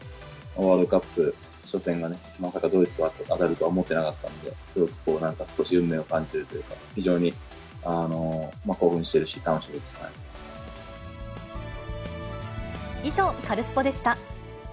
ワールドカップ初戦がね、まさかドイツと当たるとは思ってなかったんで、すごくなんか少し運命を感じるというか、非常に興奮して以上、カルスポっ！でした。